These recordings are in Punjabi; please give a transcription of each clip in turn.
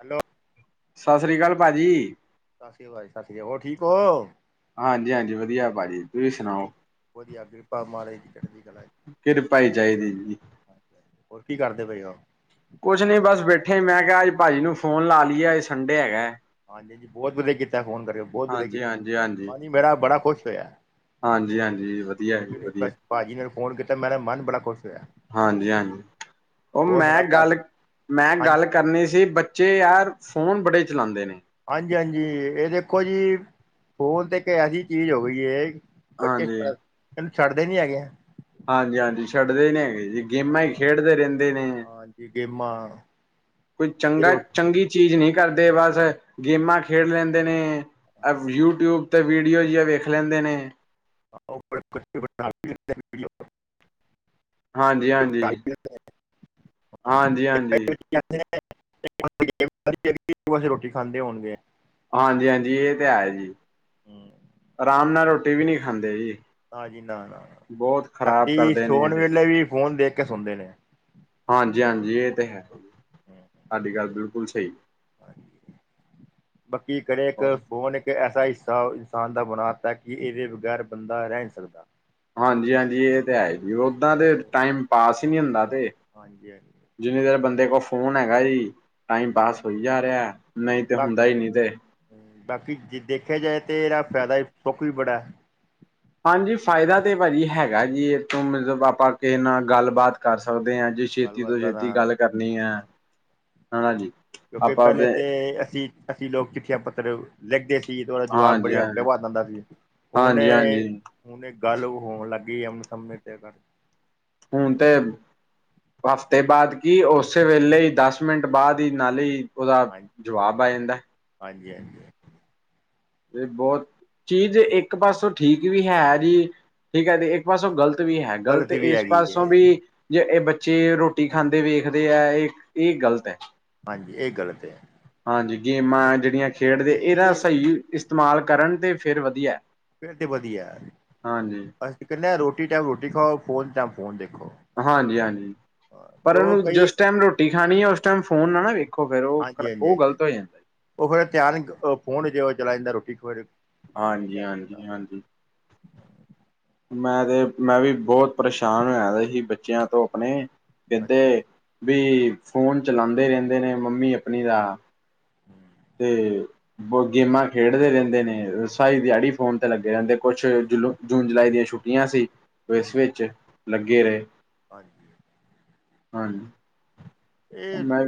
ਹੈਲੋ। ਸਤਿ ਸ਼੍ਰੀ ਅਕਾਲ ਭਾਜੀ। ਸਾਸਰੀਕਾਲ ਭਾਜੀ ਸਾਸਰੀਕਾਲ ਹੋਰ ਠੀਕ ਹੋ। ਹਾਂਜੀ-ਹਾਂਜੀ, ਵਧੀਆ ਭਾਜੀ ਤੁਸੀਂ ਸੁਣਾਓ? ਵਧੀਆ, ਕਿਰਪਾ ਮਹਾਰਾਜ ਦੀ ਚੜਦੀ ਕਲਾ। ਕਿਰਪਾ ਈ ਚਾਹੀਦੀ ਜੀ। ਹੋਰ ਕੀ ਕਰਦੇ ਪਏ ਹੋ? ਕੁੱਛ ਨੀ ਬਸ ਬੈਠੇ ਮੈਂ ਕਿਹਾ ਅੱਜ ਭਾਜੀ ਨੂੰ ਫੋਨ ਲਾ ਲਈਏ ਅੱਜ ਸੰਡੇ ਹੈਗਾ ਹੈ। ਹਾਂਜੀ-ਹਾਂਜੀ, ਬਹੁਤ ਵਧੀਆ ਕੀਤਾ ਫ਼ੋਨ ਕਰਕੇ ਬਹੁਤ ਵਧੀਆ ਹਾਂਜੀ ਕੀਤਾ ਹਾਂਜੀ ਮਨ ਮੇਰਾ ਬੜਾ ਖੁਸ਼ ਹੋਇਆ। ਹਾਂਜੀ-ਹਾਂਜੀ, ਵਧੀਆ ਏ ਵਧੀਆ। ਭਾਜੀ ਨੇ ਮੈਨੂੰ ਫੋਨ ਕੀਤਾ ਮੇਰਾ ਮਨ ਬੜਾ ਖੁਸ਼ ਹੋਇਆ। ਹਾਂਜੀ-ਹਾਂਜੀ ਉਹ ਹੋਰ ਮੈਂ ਸੁਣਾ ਘਰ ਪ ਗੱਲ-ਮੈਂ ਹਾਂਜੀ ਗੱਲ ਕਰਨੀ ਸੀ ਬੱਚੇ ਯਾਰ ਫੋਨ ਬੜੇ ਚਲਾਉਂਦੇ ਨੇ। ਹਾਂਜੀ-ਹਾਂਜੀ, ਇਹ ਦੇਖੋ ਜੀ ਫੋਨ ਤੇ ਇੱਕ ਐਸੀ ਚੀਜ਼ ਹੋ ਗਈ ਏ। ਬੱਚੇ, ਹਾਂਜੀ ਇਨੂੰ ਛੱਡਦੇ ਨੀ ਹੈਗੇ। ਹਾਂਜੀ ਹਾਂਜੀ ਛੱਡਦੇ ਨੀ ਹੈਗੇ ਜੀ। ਗੇਮਾਂ ਹੀ ਹਾਂ ਖੇਡਦੇ ਰਹਿੰਦੇ ਨੇ, ਹਾਂਜੀ ਗੇਮਾਂ ਕੋਈ ਫਿਰ ਚੰਗਾ ਉਹ ਚੰਗੀ ਚੀਜ਼ ਨਹੀਂ ਕਰਦੇ, ਬਸ ਗੇਮਾਂ ਖੇਡ ਲੈਂਦੇ ਨੇ। ਐ ਯੂਟਿਊਬ ਤੇ ਵੀਡੀਓ ਜੀਆਂ ਵੇਖ ਲੈਂਦੇ ਨੇ। ੇ [inaudible] ਹਾਂਜੀ ਹਾਂਜੀ ਹੈ ਹਾਂਜੀ ਹਾਂਜੀ। [unintelligible] ਰੋਟੀ ਖਾਂਦੇ ਹੋਣਗੇ। ਹਾਂਜੀ ਹਾਂਜੀ ਇਹ ਤੇ ਹੈ ਜੀ, ਹੂੰ ਆਰਾਮ ਨਾਲ ਰੋਟੀ ਵੀ ਨਹੀਂ ਖਾਂਦੇ ਜੀ। ਹਾਂਜੀ ਨਾ ਨਾ ਬਹੁਤ ਖ਼ਰਾਬ ਰਾਤੀ ਕਰਦੇ ਨੇ ਇਹ ਸੋਣ ਤੇ ਵੇਲੇ ਵੀ, ਫੋਨ ਦੇਖ ਕੇ ਸੋਂਦੇ ਨੇ। ਹਾਂਜੀ ਹਾਂਜੀ ਇਹ ਤੇ ਹੈ, ਸਾਡੀ ਗੱਲ ਬਿਲਕੁਲ ਸਹੀ। ਬਾਕੀ ਘਰੇ, ਇੱਕ ਫੋਨ ਇੱਕ ਇੱਕ ਐਸਾ ਹਿੱਸਾ ਇਨਸਾਨ ਦਾ ਬਣਾ ਦਾ, ਕਿ ਇਹਦੇ ਬਗੈਰ ਬੰਦਾ ਰਹਿ ਨਹੀਂ ਸਕਦਾ। ਹਾਂਜੀ ਹਾਂਜੀ ਇਹ ਤੇ ਹੈ ਜੀ, ਓਦਾਂ ਦੇ ਟਾਈਮ ਪਾਸ ਹੀ ਨਹੀਂ ਹੁੰਦਾ ਤੇ। ਹਾਂਜੀ ਹਾਂਜੀ ਜਿੰਨੀ ਦੇਰ ਬੰਦੇ ਕੋਲ ਫੋਨ ਹੈਗਾ ਜੀ, ਟਾਈਮ ਪਾਸ ਹੋਈ ਜਾ ਰਿਹਾ ਨਹੀਂ ਤੇ ਬਾ ਹੁੰਦਾ ਹੀ ਨਹੀਂ ਤੇ। ਬਾਕੀ ਜੇ ਦੇਖਿਆ ਜਾਏ ਤਾਂ, ਇਹਦਾ ਫਾਇਦਾ ਸੁੱਖ ਵੀ ਬੜਾ ਹੈ। ਹਾਂਜੀ ਫਾਇਦਾ ਤੇ ਭਾਜੀ ਹੈਗਾ ਜੀ, ਇਹ ਤੋਂ ਮਤਲਬ ਆਪਾਂ ਕਿਸੇ ਨਾਲ ਗੱਲਬਾਤ ਕਰ ਸਕਦੇ ਹਾਂ ਜੀ ਛੇਤੀ ਗੱਲਬਾਤ ਤੋਂ ਕਰਨਾ ਛੇਤੀ ਗੱਲ ਹਾਂ ਕਰਨੀ ਹੈ, ਹੈਨਾ ਜੀ। ਕਿਉਂਕਿ ਆਪਾਂ ਪਹਿਲੇ ਤੇ ਤਾਂ ਅਸੀਂ ਅਸੀਂ ਲੋਕ ਚਿੱਠੀਆਂ ਪੱਤਰ ਲਿਖਦੇ ਸੀ ਤੇ ਉਹਦਾ ਜਵਾਬ ਹਾਂਜੀ ਬੜੀ ਹਫ਼ਤੇ ਹਾਂਜੀ ਬਾਦ ਆਉਂਦਾ ਸੀ, ਹੁਣ ਏ ਹਾਂਜੀ-ਹਾਂਜੀ ਹੁਣ ਇਹ ਗੱਲ ਹੋਣ ਲੱਗ ਗਈ, ਲੰਮੇ ਸਮੇਂ ਤਕ ਹੁਣ ਤੇ ਹਫ਼ਤੇ ਬਾਅਦ ਕੀ ਉਸੇ ਵੇਲੇ ਹੀ, ਦਸ ਮਿੰਟ ਬਾਅਦ ਹੀ, ਨਾਲ ਹੀ। ਉਹਦਾ ਜਵਾਬ ਆ ਜਾਂਦਾ। ਹਾਂਜੀ ਹਾਂਜੀ ਹਾਂਜੀ ਤੇ ਬਹੁਤ, ਚੀਜ਼ ਇੱਕ ਪਾਸੋਂ ਠੀਕ ਵੀ ਹੈ ਜੀ, ਠੀਕ ਹੈ ਤੇ ਇੱਕ ਪਾਸੋਂ ਗਲਤ। ਗਲਤ ਵੀ ਹੈ, ਗਲਤ ਗ਼ਲਤ ਵੀ ਇਸ ਹੈਗੀ ਪਾਸੋਂ ਹੈ ਵੀ ਜੇ ਇਹ ਬੱਚੇ ਰੋਟੀ ਖਾਂਦੇ ਵੇਖਦੇ ਏ, ਇਹ ਇਹ ਗ਼ਲਤ ਹੈ। ਹਾਂਜੀ ਇਹ ਗਲਤ ਹੈ। ਹਾਂਜੀ ਗੇਮਾਂ ਜਿਹੜੀਆਂ ਕਿਉਂਕਿ ਖੇਡਦੇ, ਇਹਦਾ ਸਹੀ ਇਸਤੇਮਾਲ ਕਰਨ ਤੇ ਫਿਰ ਵਧੀਆ। ਫਿਰ ਤੇ ਵਧੀਆ, ਹਾਂਜੀ ਅਸੀ ਕਹਿੰਦੇ ਹ ਰੋਟੀ ਟਾਈਮ ਰੋਟੀ ਖਾਓ, ਫੋਨ ਟਾਈਮ ਫੋਨ ਦੇਖੋ। ਹਾਂਜੀ ਹਾਂਜੀ ਪਰ ਉਹ ਉਹਨੂੰ ਕਈ ਜਿਸ ਟਾਈਮ ਰੋਟੀ ਖਾਣੀ ਹੈ, ਉਸ ਟਾਈਮ ਫ਼ੋਨ ਨਾ ਨਾ ਵੇਖ ਹਾਂਜੀ ਹਾਂਜੀ ਹਾਂਜੀ ਹਾਂ ਉਹ ਫਿਰ ਧਿਆਨ, ਫੋਨ ਜੇ ਚਲਾ ਜਾਂਦਾ ਰੋਟੀ ਖਿਰ ਹਾਂਜੀ ਹਾਂਜੀ ਹਾਂਜੀ। ਮੈਂ ਤੇ ਮੈਂ ਵੀ ਬਹੁਤ ਪਰੇਸ਼ਾਨ ਹੋਇਆ ਸੀ ਬੱਚਿਆਂ ਤੋਂ ਆਪਣੇ, ਅੱਛਾ ਕਿੱਧੇ ਹਾਂਜੀ ਵੀ ਫੋਨ ਚਲਾਉਂਦੇ ਰਹਿੰਦੇ ਨੇ, ਮੰਮੀ ਆਪਣੀ ਦਾ। ਤੇ ਹੋਰ ਗੇਮਾਂ ਖੇਡਦੇ ਰਹਿੰਦੇ ਨੇ, ਸਾਰੀ ਦਿਹਾੜੀ ਫੋਨ ਲੱਗੇ ਰਹਿੰਦੇ, ਕੁਛ ਜੁਲੂ ਜੂਨ ਜੁਲਾਈ ਦੀਆਂ ਛੁੱਟੀਆਂ ਸੀ। ਇਸ ਹਾਂਜੀ ਵਿੱਚ ਲੱਗੇ ਰਹੇ, ਹਾਂਜੀ ਹਾਂਜੀ। ਇਹ ਮੈਂ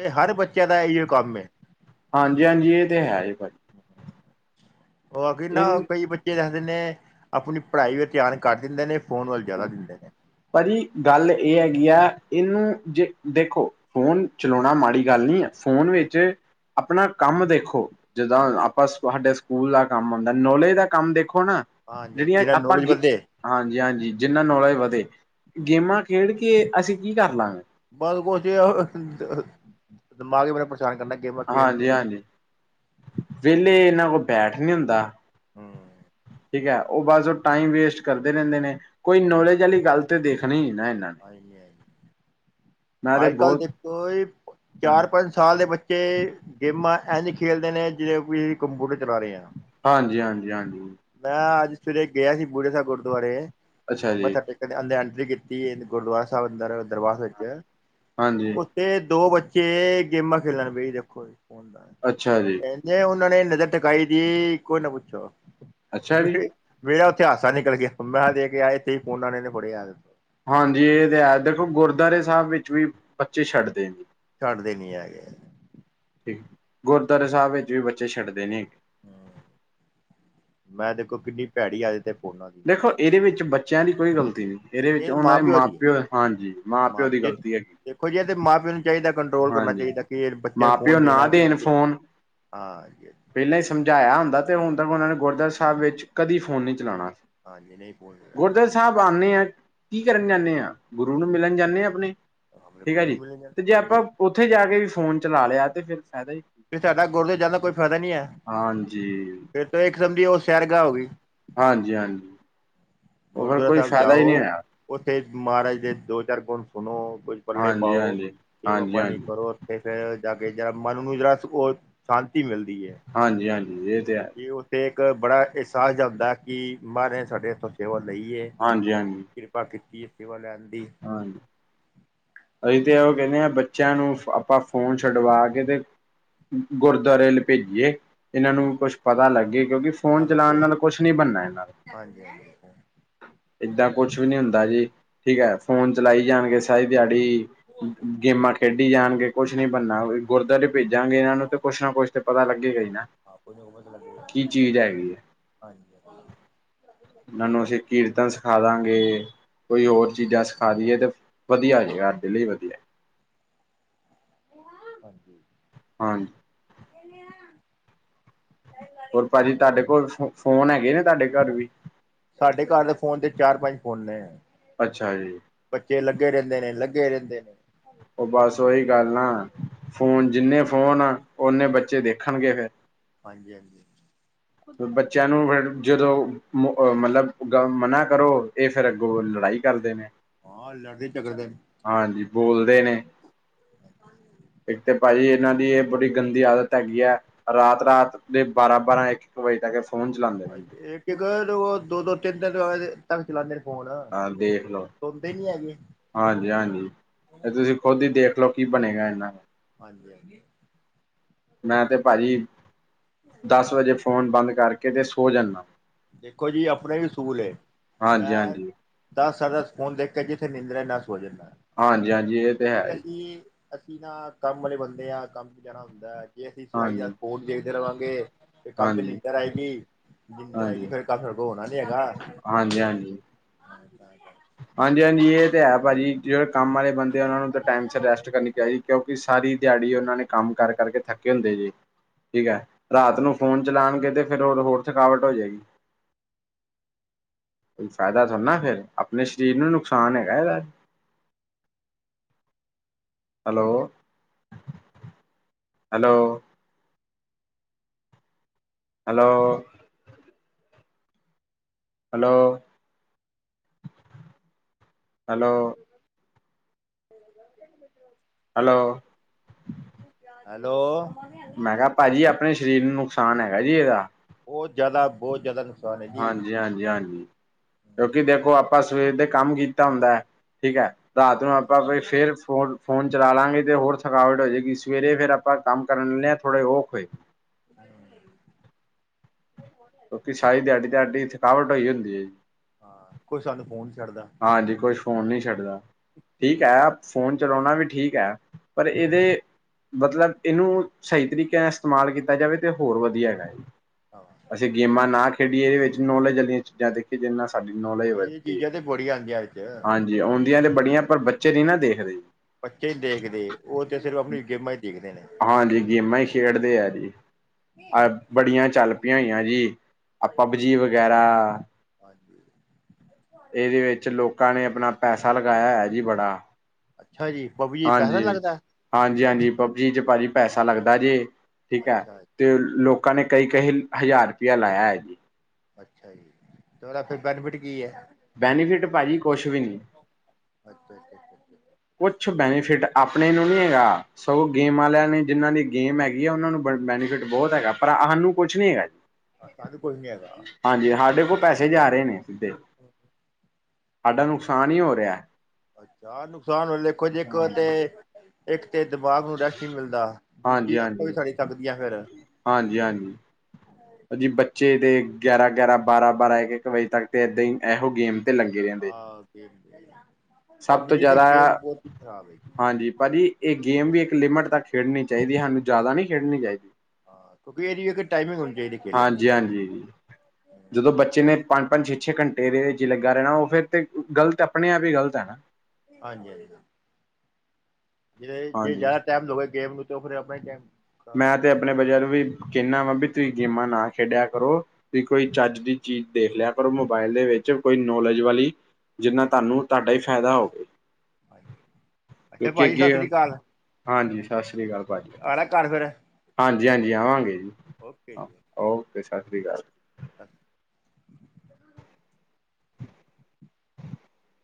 ਇਹ ਹਰ ਬੱਚੇ ਦਾ ਇਹਿਓ ਕੰਮ ਹੈ। ਹਾਂਜੀ ਹਾਂਜੀ ਇਹ ਤੇ ਹੈ ਹੀ, ਭਾਜੀ। ਉਹੀ ਨਾ ਇਹ ਕਈ ਬੱਚੇ ਦੇਖਦੇ ਨੇ, ਆਪਣੀ ਪੜ੍ਹਾਈ ਵਲ ਧਿਆਨ ਘਟ ਦਿੰਦੇ ਨੇ, ਫੋਨ ਵੱਲ ਜ਼ਿਆਦਾ ਦਿੰਦੇ ਨੇ। ਪਰ ਜੀ ਗੱਲ ਇਹ ਹੈਗੀ ਆ, ਇਹਨੂੰ ਜੇ ਦੇਖੋ ਫੋਨ ਚਲਾਉਣਾ ਮਾੜੀ ਗੱਲ ਨਹੀਂ ਆ। ਫੋਨ ਵਿੱਚ ਆਪਣਾ ਕੰਮ ਦੇਖੋ, ਜਿੱਦਾਂ ਹਾਂਜੀ, ਆਪਾਂ ਸ ਸਕੂਲ ਦਾ ਕੰਮ ਹੁੰਦਾ, ਨੌਲੇਜ ਦਾ ਕੰਮ ਦੇਖੋ ਨਾ, ਹਾਂਜੀ ਜਿਹੜੀਆਂ ਜਿਹਨਾਂ ਆਪਾਂ ਨੌਲੇਜ ਵਧੇ ਹਾਂਜੀ ਹਾਂਜੀ ਜਿੰਨਾ ਨੌਲੇਜ ਵਧੇ, ਗੇਮਾਂ ਖੇਡ ਕੇ ਅਸੀਂ ਕੀ ਕਰ ਲਾਂਗੇ। ਬਸ ਕੁਛ ਨਹੀ ਹੋਰ, ਦਿਮਾਗ ਬੜਾ ਪਰੇਸ਼ਾਨ ਕਰਨਾ। ਗੇਮਾਂ ਖੇਲ ਕੇ। ਹਾਂਜੀ-ਹਾਂਜੀ, ਵੇਲੇ ਇਹਨਾਂ ਕੋਲ ਬੈਠ ਨੀ ਹੁੰਦਾ। ਹੂੰ। ਠੀਕ ਹੈ, ਉਹ ਬਸ ਉਹ ਟਾਈਮ ਵੇਸਟ ਕਰਦੇ ਰਹਿੰਦੇ ਨੇ ਕੋਈ ਨੌਲੇਜ ਪਹਿਲੀ ਗੱਲ ਤੇ ਦੇਖਣੀ ਨੀ ਨਾ ਇਹਨਾਂ ਨੇ ਆਏਗੀ-ਆਏਗੀ, ਮੈਂ ਤੇ ਆਹੀ ਏ ਅੱਜ-ਕੱਲ੍ਹ ਬਹੁਤ ਦੇਖੋ ਚਾਰ-ਪੰਜ ਸਾਲ ਦੇ ਬੱਚੇ ਗੇਮਾਂ ਇੰਝ ਖੇਲਦੇ ਨੇ ਜਿਵੇਂ ਕੋਈ ਕੰਪਿਊਟਰ ਚਲਾ ਰਹੇਹਾ। ਹਾਂਜੀ ਹਾਂਜੀ ਹਾਂਜੀ ਹਾਂਜੀ ਮੈਂ ਅੱਜ ਸਵੇਰੇ ਗਿਆ ਸੀ, ਬੂਢੇ ਸਾਹਿਬ ਗੁਰਦੁਆਰੇ ਅੱਛਾ ਜੀ ਮੱਥਾ ਟੇਕਣ ਅੰਦਰ ਐਂਟਰੀ ਕੀਤੀ। ਗੁਰਦੁਆਰਾ ਸਾਹਿਬ ਅੰਦਰ ਦਰਬਾਰ ਸਾਹਿਬ ਵਿੱਚ ਹਾਂਜੀ। ਉੱਥੇ ਦੋ ਬੱਚੇ ਗੇਮਾਂ ਖੇਲਣ ਪਏ ਦੇਖੋ ਜ ਫੋਨ ਦਾ ਅੱਛਾ ਜੀ। ਇੰਜੇ ਉਹਨਾਂ ਨੇ ਨਜ਼ਰ ਟਕਾਈ ਦੀ ਕੋਈ ਨਾ ਪੁੱਛੋ ਅੱਛਾ ਜੀ। ਮੇਰਾ ਉੱਥੇ ਹਾਸਾ ਨਿਕਲ ਗਿਆ, ਮੈ ਦੇਖ ਕੇ ਕਿਹਾ ਆਏ ਇੱਥੇ ਫੋਨਾ ਨੇ ਫੜੇ ਬੂਰੀ ਆਦਤ। ਹਾਂਜੀ, ਇਹ ਤੇ ਹੈ ਦੇਖੋ ਗੁਰਦੁਆਰੇ ਸਾਹਿਬ ਵਿੱਚ ਵੀ ਬੱਚੇ ਛੱਡਦੇ ਜੀ। ਛੱਡਦੇ ਨੀ ਹੈਗੇ। ਠੀਕ, ਗੁਰਦੁਆਰੇ ਸਾਹਿਬ ਵਿੱਚ ਵੀ ਬੱਚੇ ਛੱਡਦੇ ਨੇ ਹੈਗੇ। ਹੂੰ ਮੈਂ ਦੇਖੋ ਕਿੰਨੀ ਭੈੜੀ ਆਦਤ ਹੈ। ਫੋਨਾਂ ਦੀ ਦੇਖੋ ਇਹਦੇ ਵਿੱਚ ਬੱਚਿਆਂ ਦੀ ਕੋਈ ਗਲਤੀ ਨਹੀਂ। ਇਹਦੇ ਵਿੱਚ ਇਹ ਉਹਨਾਂ ਮਾਂ ਦੇ ਪਿਓ ਦੀ ਹੈ ਮਾਂ-ਪਿਓ ਹਾਂਜੀ, ਮਾਂ-ਪਿਓ ਮਾਂ ਦੀ ਗਲਤੀ ਹੈਗੀ। ਦੇਖੋ ਜੀ, ਇਹ ਤਾਂ ਮਾਂ-ਪਿਓ ਨੂੰ ਚਾਹੀਦਾ ਕੰਟਰੋਲ ਕਰਨਾ ਹਾਂਜੀ ਚਾਹੀਦਾ ਕਿ ਬੱਚਿਆਂ ਨੂੰ ਮਾਂ ਪਿਓ ਫੋਨ ਨਾ ਦੇਣਾ ਕਿ, ਨਹੀਂ ਦੇਣ ਦੇਣਾ। ਫੋਨ ਹਾ ਇਹੀ ਪਹਿਲਾਂ ਹੀ ਸਮਝਾਇਆ ਹੁੰਦਾ ਤੇ ਹੁਣ ਤੱਕ ਉਹਨਾਂ ਨੇ ਗੁਰਦੁਆ ਸਾਹਿਬ ਵਿੱਚ ਕਦੇ ਫੋਨ ਨੀ ਚਲਾਉਣਾ। ਹਾਂਜੀ, ਨਹੀਂ ਫੋਨ ਚਲਾਇਆ। ਸਬ ਆਉਂਦੇ ਹਾਂ ਕੀ ਕਰਨ ਜਾਂਦੇ ਹਾਂ? ਗੁਰੂ ਨੂੰ ਮਿਲਣ ਜਾਂਦੇ ਹਾਂ ਆਪਣੇ। ਆਪਣੇ ਠੀਕ ਹੈ ਗੁਰੂ ਨੂੰ ਜੀ। ਮਿਲਣ ਜਾਦੇ, ਤੇ ਜੇ ਆਪਾਂ ਹਾਂਜੀ-ਹਾਂਜੀ। ਉੱਥੇ ਜਾ ਕੇ ਵੀ ਫੋਨ ਚਲਾ ਲਿਆ ਤੇ ਫੇਰ ਫਾਇਦਾ ਕੀ? ਫਿਰ ਸਾਡਾ ਗੁਰਦੁਆਰੇ ਜਾਣ ਦਾ ਕੋਈ ਫਾਇਦਾ ਨਹੀਂ ਹੈ। ਹਾਂਜੀ। ਫੇਰ ਤੋਂ ਇੱਕ ਕਿਸਮ ਦੀ ਉਹ ਸਰਗਾ ਉਹ ਸੈਰਗਾ ਹੋ ਗਈ। ਹਾਂਜੀ-ਹਾਂਜੀ। ਗੁਰਦੁਆਰਾ ਸਾਹਿਬ ਜਾਓ, ਨਹੀਂ ਹੋਇਆ ਉੱਥੇ ਮਹਾਰਾਜ ਦੇ ਦੋ-ਚਾਰ ਗੁਣ ਸੁਣੋ। ਪੱਲੇ ਹਾਂਜੀ ਪਾਓ, ਹਾਂਜੀ ਸੇਵਾ ਹਾਂਜੀ ਪਾਣੀ ਹਾਂਜੀ ਕਰੋ। ਤੇ ਫੇਰ ਜਾ ਕੇ ਜਿਹੜਾ ਮਨ ਨੂੰ ਜਿਹੜਾ ਉਹ ਸ਼ਾਂਤੀ ਮਿਲਦੀ ਹੈ। ਹਾਂਜੀ-ਹਾਂਜੀ, ਇਹ ਤੇ ਹੈ। ਇਹ ਉੱਥੇ ਇੱਕ ਬੜਾ ਅਹਿਸਾਸ ਜਾਂਦਾ ਕਿ ਮਹਾਰਾਜ ਸਾਡੇ ਇੱਥੋਂ ਸੇਵਾ ਲਈਏ। ਹਾਂਜੀ-ਹਾਂਜੀ। ਕਿਰਪਾ ਕੀਤੀ ਹੈ ਸੇਵਾ ਲੈਣ ਦੀ। ਹਾਂਜੀ। ਅਸੀਂ ਤੇ ਉਹ ਕਹਿੰਦੇ ਆ ਬੱਚਿਆਂ ਨੂੰ ਆਪਾਂ ਫੋਨ ਛੱਡਵਾ ਕੇ ਤੇ ਗੁਰਦੁਆਰੇ ਭੇਜੀਏ। ਇਹਨਾਂ ਹੂੰ ਨੂੰ ਕੁਛ ਪਤਾ ਲੱਗੇ ਕਿਉਂਕਿ ਫ਼ੋਨ ਚਲਾਉਣ ਨਾਲ ਕੁਛ ਨਹੀਂ ਬਣਨਾ ਇਹਨਾਂ ਦਾ ਹਾਂਜੀ-ਹਾਂਜੀ। ਏਦਾਂ ਕੁਛ ਵੀ ਨੀ ਹੁੰਦਾ ਜੀ ਠੀਕ ਹੈ, ਫੋਨ ਚਲਾਈ ਜਾਣਗੇ ਸਾਰੀ ਦਿਹਾੜੀ ਗੇਮਾਂ ਖੇਡੀ ਜਾਣਗੇ ਕੁਛ ਨੀ ਬਣਨਾ, ਗੁਰਦੁਆਰੇ ਭੇਜਾਂਗੇ ਇਹਨਾਂ ਨੂੰ ਤੇ ਕੁੱਛ ਨਾ ਕੁੱਛ ਤੇ ਪਤਾ ਲੱਗੇਗਾ ਹੀ ਨਾ। ਹਾਂ, ਕੁਝ ਨਾ ਕੁਝ ਪਤਾ ਲੱਗੇਗਾ ਕੀ ਚੀਜ਼ ਹੈਗੀ ਹੈ ਹਾਂਜੀ- ਹਾਂ। ਇਹਨਾਂ ਨੂੰ ਅਸੀਂ ਕੀਰਤਨ ਸਿਖਾ ਦਾਂਗੇ। ਕੋਈ ਹੋਰ ਚੀਜ਼ਾਂ ਸਿਖਾ ਦੀਏ ਤਾਂ ਵਧੀਆ ਜੇ ਦਿੱਲੀ ਵਧੀਆ। ਹਾਂਜੀ। ਹਾਂਜ ਇਹ ਆ ਹੋਰ ਭਾਜੀ ਤੁਹਾਡੇ ਕੋਲ ਫੋ, ਫੋਨ ਹੈਗੇ ਨੇ, ਤੁਹਾਡੇ ਘਰ ਵੀ? ਸਾਡੇ ਘਰ ਦੇ, ਫੋਨ ਤੇ ਚਾਰ-ਪੰਜ ਫੋਨ ਨੇ। ਅੱਛਾ ਜੀ। ਬੱਚੇ ਲੱਗੇ ਰਹਿੰਦੇ ਨੇ, ਲੱਗੇ ਰਹਿੰਦੇ। ਉਹ ਬਸ ਉਹੀ ਗੱਲ ਨਾ, ਫੋਨ, ਜਿੰਨੇ ਫੋਨ, ਉਨੇ ਬੱਚੇ ਦੇਖਣਗੇ ਫਿਰ। ਹਾਂਜੀ-ਹਾਂਜੀ। ਬੱਚਿਆਂ ਨੂੰ ਫਿਰ ਜਦੋਂ, ਮਤਲਬ ਮਨਾ ਕਰੋ, ਇਹ ਫਿਰ ਅੱਗੋਂ ਲੜਾਈ ਕਰਦੇ ਨੇ। ਹਾਂ ਲੜਦੇ, ਝਗੜਦੇਨ। ਹਾਂਜੀ, ਬੋਲਦੇ ਨੇ। ਇੱਕ ਤੇ ਭਾਜੀ ਇਹਨਾਂ ਦੀ, ਇਹ ਬੜੀ ਗੰਦੀ ਆਦਤ ਹੈਗੀ ਹੈ। ਰਾਤ-ਰਾਤ ਦੇ, ਬਾਰਾਂ-ਬਾਰਾਂ, ਇੱਕ-ਇੱਕ ਵਜੇ ਤੱਕ ਫੋਨ ਚਲਾਉਂਦੇ ਰਹਿੰਦੇ ਇੱਕ-ਇੱਕ, ਦੋ-ਦੋ, ਤਿੰਨ-ਤਿੰਨ ਵਜੇ ਤੱਕ ਚਲਾਂਦੇ ਨੇ। ਫੋਨ ਹਾਂ, ਦੇਖਲੋ। ਸੁਣਦੇ ਨੀ ਹੈਗੇ ਹਾਂਜੀ-ਹਾਂਜੀ, ਇਹ ਤੁਸੀਂ ਖੁਦ ਹੀ ਦੇਖਲੋ, ਕੀ ਬਣੇਗਾ ਇਹਨਾਂ ਦਾ। ਹਾਂਜੀ-ਹਾਂਜੀ। ਮੈਂ ਤੇ ਭਾਜੀ, ਦੱਸ ਵਜੇ ਫੋਨ ਬੰਦ ਕਰਕੇ ਤੇ ਸੋ ਜਾਂਦਾ ਦੇਖੋ ਜੀ ਆਪਣੇ ਵੀ ਅਸੂਲ ਏ, ਮੈਂ ਹਾਂਜੀ-ਹਾਂਜੀ, ਦਸ ਸਾਡੇ ਦਸ, ਫੋਨ ਦੇਖਕੇ ਜਿੱਥੇ ਨਿੰਦਰੇ ਨਾਲ ਸੋ ਜਾਂਦਾ। ਹਾਂਜੀ, ਹਾਂਜੀ, ਇਹ ਤੇ ਹੈਹੀ। ਜੀ। ਅਸੀਂ ਨਾ ਕੰਮ ਵਾਲੇ ਬੰਦੇ ਆਂ, ਕੰਮ'ਚ ਜਾਣਾ ਹੁੰਦੈ। ਜੇ ਅਸੀਂ ਸਾਰੀ ਹਾਂਜੀ, ਰਾਤ ਫੋਨ ਦੇਖਦੇ ਰ੍ਹਵਾਂਗੇ, ਫਿਰ ਕੰਮ ਤੇ ਹਾਂਜੀ, ਨ੍ਹੀਂਦਰ ਆਇਗੀ, ਨ੍ਹੀਂਦਰ ਹਾਂਜੀ, ਆਇਗੀ ਫਿਰ ਕੰਮ ਫਿਰ ਕੋ ਹੋਣਾ ਨੀ ਹੈਗਾ। ਹਾਂਜੀ-ਹਾਂਜੀ। [unintelligible] ਹਾਂਜੀ, ਹਾਂਜੀ, ਇਹ ਤੇ ਹੈ ਭਾਜੀ। ਜਿਹੜੇ ਕੰਮ ਵਾਲੇ ਬੰਦੇ ਆ ਉਹਨਾ ਨੂੰ ਤਾਂ ਟਾਈਮ ਸੀਰ ਰੈਸਟ ਕਰਨੀ ਚਾਈ ਕਿਉਂਕਿ, ਸਾਰੀ ਦਿਹਾੜੀ ਉਹਨਾਂ ਨੇ ਕੰਮ ਕਰ-ਕਰਕੇ ਥੱਕੇ ਹੁੰਦੇ ਜੇ। ਠੀਕ ਹੈ, ਰਾਤ ਨੂੰ ਫੋਨ ਚਲਾਣਗੇ ਤੇ ਫਿਰ ਹੋਰ, ਹੋਰ ਥਕਾਵਟ ਹੋਜੇਗੀ। ਕੋਈ ਫਾਇਦਾ ਥੋੜੀ ਨਾ ਫਿਰ, ਆਪਣੇ ਸਰੀਰ ਨੂੰ ਹੀ ਨੁਕਸਾਨ ਹੈਗਾ, ਇਹਦਾ। Hello! Hello. Hello. Hello hello. [unintelligible] Hello. Hello! ਮੈਂ ਕਿਹਾ ਭਾਜੀ, ਆਪਣੇ ਸਰੀਰ ਨੂੰ ਨੁਕਸਾਨ ਹੈਗਾ ਜੀ, ਇਹਦਾ। ਬਹੁਤ ਜ਼ਿਆਦਾ, ਬਹੁਤ ਜ਼ਿਆਦਾ ਨੁਕਸਾਨ ਹੈ ਜੀ ਹਾਂਜੀ, ਹਾਂਜੀ, ਹਾਂਜੀ। ਕਿਉਂਕਿ ਦੇਖੋ, ਆਪਾ ਸਵੇਰ ਦੇ ਕੰਮ ਕੀਤਾ ਹੁੰਦਾ ਹੈ, ਠੀਕ ਹੈ, ਰਾਤ ਨੂੰ ਆਪਾਂ ਫਿਰ ਫੋ ਫੋਨ ਚਲਾਂਲਗੇ, ਤੇ ਹੋਰ ਥਕਾਵਟ ਹੋਜੇਗੀ, ਸਵੇਰੇ ਫਿਰ ਆਪਾਂ ਕੰਮ ਕਰਨ ਲੈਂਨੇ ਹਾਂ, ਥੋੜਾ ਔਖ ਹੋਏ। ਬਦਲੇ ਕਿਉਂਕੀ ਸ਼ਾਹੀ ਦੀਹਾਡੀ ਤੇ ਹਾਡੀ ਥਕਾਵਟ ਹੋਈ ਹੁੰਦੀ ਏ। ਹਾਂ, ਕੁਛ ਸਾਨੂੰ ਫੋਨ ਨੀ ਛੱਡਦਾ। ਹਾਂਜੀ, ਕੁਛ ਫੋਨ ਨਹੀਂ ਛੱਡਦਾ। ਠੀਕ ਐ, ਫੋਨ ਚਲਾਉਣਾ ਵੀ ਠੀਕ ਐ, ਪਰ ਹਾਂਜੀ ਇਹਦੇ ਮਤਲਬ ਇਹਨੂੰ, ਸਹੀ ਤਰੀਕਿਆਂ ਨਾਲ ਇਸਤੇਮਾਲ ਕੀਤਾ ਜਾਵੇ, ਤੇ ਹੋਰ ਵਧੀਆ ਹੈਗਾ। ਹਾ ਅਸੀਂ ਗੇਮਾਂ ਨਾ ਖੇਡੀਏ ਇਹਦੇ ਵਿੱਚ ਨੌਲੇਜ ਵਾਲੀਆਂ ਚੀਜ਼ਾਂ ਦੇਖੀਏ ਜਿਹਦੇ ਨਾਲ ਸਾਡੀ ਨੌਲੇਜ ਵਧਦੀ ਹੈ। ਕੁੜੀਆ ਅਗੇ ਆਈ ਦੀਆ। ਹਾਂਜੀ। ਆਉਂਦੀਆਂ ਤੇ ਬੜੀਆਂ ਪਰ ਬੱਚੇ ਨੀ ਨਾ ਦੇਖਦੇ। ਬੱਚੇ ਹੀ ਦੇਖਦੇ ਉਹ ਤਾਂ ਸਿਰਫ ਆਪਣੀਆਂ ਗੇਮਾਂ ਹੀ ਦੇਖਦੇ ਨੇ। ਹਾਂਜੀ ਗੇਮਾਂ ਹੀ ਖੇਡਦੇ ਆ ਜੀ। ਅਹ ਬੜੀਆਂ ਚੱਲ ਪਈਆਂ ਹੋਈਆਂ ਜੀ ਅਹ ਪਬਜੀ ਵਗੈਰਾ। ਹਾਂਜੀ। ਇਹਦੇ ਵਿੱਚ ਲੋਕਾਂ ਨੇ ਆਪਣਾ ਪੈਸਾ ਲਗਾਇਆ ਹੈ ਜੀ ਬੜਾ। ਅੱਛਾ ਜੀ ਪਬਜੀ 'ਚ ਪੈਸਾ ਹਾਂਜੀ ਲੱਗਦਾ ਹੈ। ਹਾਂਜੀ, ਹਾਂਜੀ ਪਬਜੀ 'ਚ ਭਾਜੀ ਪੈਸਾ ਲੱਗਦਾ ਜੇ ਠੀਕ ਹੈ। ਅੱਛਾ ਤੇ ਲੋਕਾਂ ਨੇ ਕਈ ਕਈ ਹਜ਼ਾਰ ਰੁਪਇਆ ਲਾਇਆ ਹੈ ਜੀ। ਅੱਛਾ, ਜੀ ਤੇ ਉਹਦਾ ਫਿਰ ਬੈਨੀਫਿਟ ਕੀ ਹੈ। ਬੈਨੀਫਿਟ ਭਾਜੀ ਕੁਛ ਵੀ ਨਹੀਂ। ਅੱਛਾ, ਅੱਛਾ। ਕੁਛ ਬੈਨੀਫਿਟ ਆਪਣੇ ਨੂੰ ਨਹੀਂ ਹੈਗਾ ਸਗੋਂ ਗੇਮ ਵਾਲਿਆਂ ਨੇ ਜਿਹਨਾਂ ਦੀ ਗੇਮ ਹੈਗੀ ਆ ਉਹਨਾਂ ਨੂੰ ਬ ਬੈਨੀਫਿਟ ਬਹੁਤ ਹੈਗਾ ਪਰ ਸਾਨੂੰ ਕੁਛ ਨੀ ਹੈਗਾ। ਸਾਨੂੰ ਕੁਛ ਨਹੀਂ ਹੈਗਾ। ਹਾਂਜੀ, ਸਾਡੇ ਕੋਲ ਪੈਸੇ ਜਾ ਰਹੇ ਨੇ ਸਿੱਧੇ ਸਾਡਾ ਨੁਕਸਾਨ ਹੀ ਹੋ ਰਿਹਾ ਹੈ। ਅੱਛਾ ਨੁਕਸਾਨ ਹੋਏ ਦੇੇਖੋ ਜੇ ਇੱਕ ਹਾਂਜੀ। ਤੇ ਇੱਕ ਤੇ ਦਿਮਾਗ ਨੂੰ ਰੈਸਟ ਨਹੀਂ ਮਿਲਦਾ ਹਾਂਜੀ ਦੂਜੀ ਅੱਖੋਂ ਹਾਂਜੀ ਵੀ ਥਕ ਦੀਆ ਫਿਰ। ਹਾਂਜੀ, ਹਾਂਜੀ। ਜੀ ਬੱਚੇ ਤੇ ਗਿਆਰਾਂ ਗਿਆਰਾਂ ਬਾਰਾਂ ਬਾਰਾਂ ਇੱਕ ਇੱਕ ਵਜੇ ਤੱਕ ਤੇ ਏਦਾਂ ਹੀ ਇਹੋ ਗੇਮ ਤੇ ਲੱਗੇ। ਰਹਿੰਦੇ। ਹਾਂ ਗੇਮ ਸਭ ਤੋਂ ਪਬਜੀ ਤੇ ਜ਼ਿਆਦਾ ਗੇਮ ਬਹੁਤ ਹੀ ਖ਼ਰਾਬ ਹੈਗੀ ਹੈ। ਹਾਂਜੀ, ਭਾਜੀ। ਇਹ ਗੇਮ ਵੀ ਇੱਕ ਲਿਮਿਟ ਤੱਕ ਖੇਡਣੀ ਚਾਹੀਦੀ ਹੈ। ਸਾਨੂੰ ਜ਼ਿਆਦਾ ਨਹੀਂ ਖੇਡਣੀ ਚਾਹੀਦੀ ਹੈ। ਹਾਂ ਕਿਉਂਕਿ ਇਹ ਦੀ ਇੱਕ ਟਾਈਮਿੰਗ ਹੋਣੀ ਚਾਹੀਦੀ ਹੈ। ਹਾਂਜੀ, ਹਾਂਜੀ ਜੀ। ਜਦੋਂ ਬੱਚੇ ਨੇ ਪੰਜ ਪੰਜ ਛੇ ਛੇ ਘੰਟੇ ਇਹਦੇ ਵਿੱਚ ਲੱਗਾ ਰਹਿਣਾ ਉਹ ਫਿਰ ਤੇ ਗ਼ਲਤ ਆਪਣੇ ਆਪ ਹੀ ਗ਼ਲਤ ਹੈ ਨਾ। ਹਾਂਜੀ, ਹਾਂਜੀ। ਜਦੋਂ ਜੇ ਹਾਂਜੀ। ਜ਼ਿਆਦਾ ਟਾਈਮ ਲੋਗੇ ਗੇਮ ਨੂੰ ਫਿਰ ਉਹ ਆਪਣਾ ਟਾਈਮ। ਖਰਾਬ ਮੈਂ ਹੁੰਦਾ ਤੇ ਨਾ ਆਪਣੇ ਬੱਚਿਆਂ ਨੂੰ ਵੀ ਕਹਿੰਦਾ ਵਾ ਵੀ ਤੁਸੀਂ ਗੇਮਾਂ ਨਾ ਖੇਡਿਆ ਕਰੋ। ਵੀ ਕੋਈ ਚੱਜ ਦੀ ਚੀਜ਼ ਦੇਖ ਲਿਆ ਕਰੋ। ਮੋਬਾਇਲ ਦੇ ਵਿੱਚ ਕੋਈ ਨੌਲੇਜ ਵਾਲੀ। ਜਿੰਨਾ ਹਾਂਜੀ ਤੁਹਾਨੂੰ ਤੁਹਾਡਾ ਹੀ ਫਾਇਦਾ ਹੋਵੇ। ਹਾਂਜੀ। ਅੱਛਾ, ਕਿਉਂਕਿ ਭਾਜੀ ਸਤਿ ਅੱਗੇ ਸ੍ਰੀ ਅਕਾਲ। ਹਾਂਜੀ ਸਤਿ ਸ੍ਰੀ ਅਕਾਲ ਭਾਜੀ ਆਉਣਾ ਘਰ ਫੇਰ। ਹਾਂਜੀ, ਹਾਂਜੀ ਆਵਾਂਗੇ ਜੀ ਓਕੇ ਸਤਿ ਸ਼੍ਰੀ ਅਕਾਲ। ਹਾਂ।